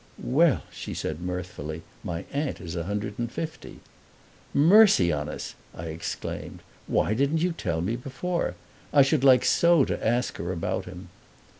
"Well," she said mirthfully, "my aunt is a hundred and fifty." "Mercy on us!" I exclaimed; "why didn't you tell me before? I should like so to ask her about him."